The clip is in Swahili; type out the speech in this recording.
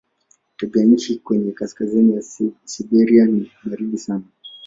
Tabianchi kwenye kaskazini ya Siberia ni baridi sana.